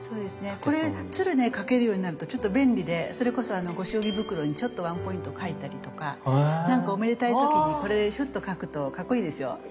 これ鶴ね描けるようになるとちょっと便利でそれこそご祝儀袋にちょっとワンポイント描いたりとかなんかおめでたい時にこれフッと描くとかっこいいですよ。